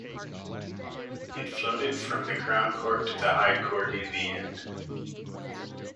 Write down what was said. It floated from the Crown Court to the High Court in the end.